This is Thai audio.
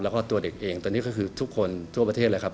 แล้วก็ตัวเด็กเองตอนนี้ก็คือทุกคนทั่วประเทศเลยครับ